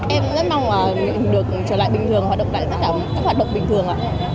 em rất mong được trở lại bình thường